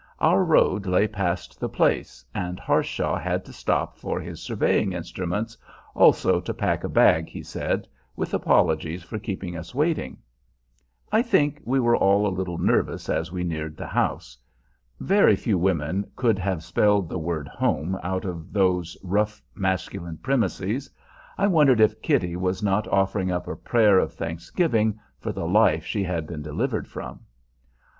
Our road lay past the place, and Harshaw had to stop for his surveying instruments, also to pack a bag, he said, with apologies for keeping us waiting. I think we were all a little nervous as we neared the house. Very few women could have spelled the word "home" out of those rough masculine premises. I wondered if Kitty was not offering up a prayer of thanksgiving for the life she had been delivered from.